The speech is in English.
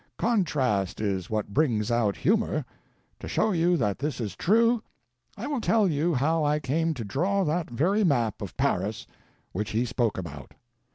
Contrast is what brings out humor. To show you that this is true, I will tell you how I came to draw that very map of Paris which he spoke about.